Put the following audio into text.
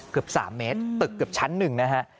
เกือบ๓เมตรตึกเกือบชั้นหนึ่งนะฮะ